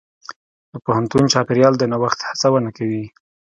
د پوهنتون چاپېریال د نوښت هڅونه کوي.